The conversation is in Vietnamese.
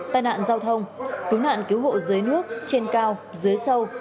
tai nạn giao thông cứu nạn cứu hộ dưới nước trên cao dưới sâu